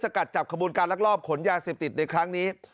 กัดจับขบวนการลักลอบขนยาเสพติดในครั้งนี้